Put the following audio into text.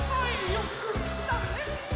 よくきたね！